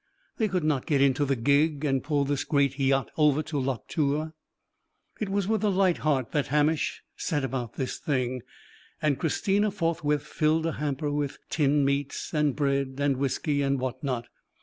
They could not get into the gig and pull this great yacht over to Loch Tua. It was with a light heart that Hamish set about this thing; and Christina forthwith filled a hamper with tinned meats, and bread, and whisky, and what not.